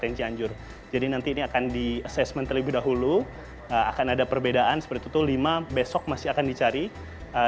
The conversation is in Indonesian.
dengan hal ini bisa menjadi kehm wanted as to physiologicaltelling